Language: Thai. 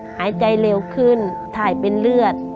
หายใจเร็วขึ้นถ่ายเป็นเลือด